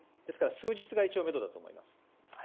数日が一応、めどだと思います。